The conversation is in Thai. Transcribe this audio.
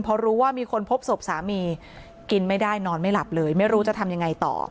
พอรู้ว่ามีคนพบศพสามีกินไม่ได้นอนไม่หลับเลยไม่รู้จะทำยังไงต่อ